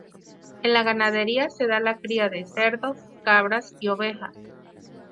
En la ganadería se da la cría de cerdos, cabras y ovejas.